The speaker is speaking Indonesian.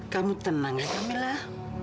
kamu tenang ya kamilah